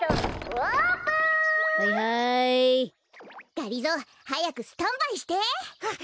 がりぞーはやくスタンバイして。わわかった！